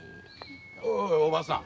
おいおばさん。